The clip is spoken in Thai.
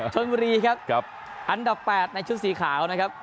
ชนบุรีครับอันดับ๘ในชุดสีขาวนะครับ